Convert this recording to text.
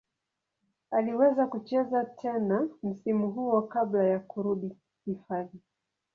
Aliweza kucheza tena msimu huo kabla ya kurudi hifadhi.